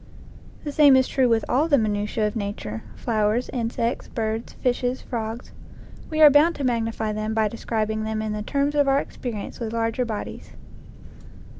The same is true of all the minutiae of nature flowers, insects, birds, fishes, frogs. We are bound to magnify them by describing them in the terms of our experience with larger bodies.